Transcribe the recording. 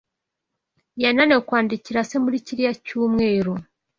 Yananiwe kwandikira se muri kiriya cyumweru.